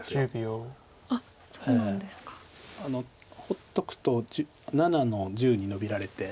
放っとくと７の十にノビられて。